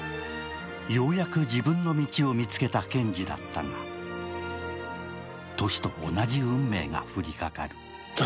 ようやく自分の道を見つけた賢治だったが、トシと同じ運命が降りかかる。